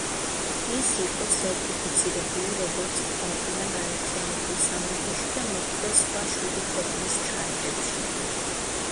ის იყო სერტიფიცირებული როგორც პლატინა გაერთიანებულ სამეფოში და მოხვდა სხვა შვიდი ქვეყნის ჩარტებში.